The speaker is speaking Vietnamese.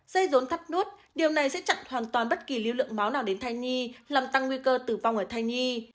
dây rốn thắt nốt điều này sẽ chặn hoàn toàn bất kỳ lưu lượng máu nào đến thai nhi làm tăng nguy cơ tử vong ở thai nhi